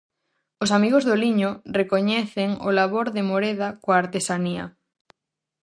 Os amigos do liño recoñecen o labor de Moreda coa artesanía.